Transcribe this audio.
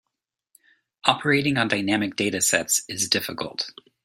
Operating on dynamic data sets is difficult.